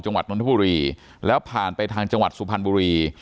จังหวัดนทบุรีแล้วผ่านไปทางจังหวัดสุพรรณบุรี